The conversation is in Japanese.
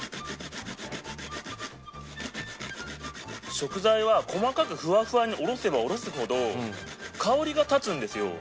食材は細かくふわふわにおろせばおろすほど香りが立つんですよ。